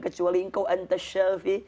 kecuali engkau anta syafi